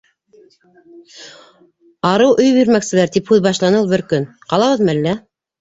Арыу өй бирмәкселәр, - тип һүҙ башланы ул бер көн, - ҡалабыҙмы әллә?